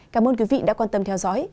cảm ơn quý vị đã quan tâm theo dõi